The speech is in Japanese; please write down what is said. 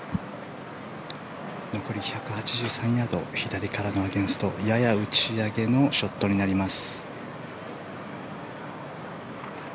残り１３８ヤード左からのアゲンストやや打ち上げのショットになります。